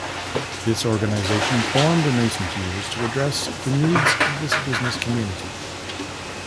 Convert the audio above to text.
This organization formed in recent years to address the needs of this business community.